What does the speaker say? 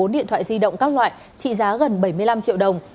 bốn điện thoại di động các loại trị giá gần bảy mươi năm triệu đồng